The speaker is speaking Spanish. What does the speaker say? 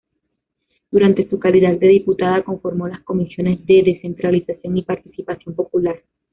Durante su calidad de diputada conformó las comisiones de descentralización y participación popular.